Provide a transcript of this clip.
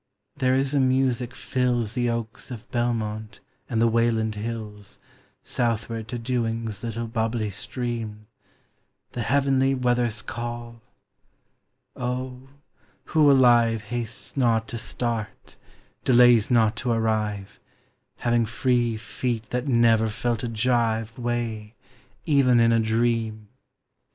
There is a music tills The oaks of Belmont and the Waylnnd hilli Southward to I Swing's little bubblj stream, The heavenly weather's call*. Oh, who alive Bastes not to start, delays do1 to rirri Having free feel thai never fell a uv 1 ' Weigh, even in a dream? 3G4 POEMS OF XATURE.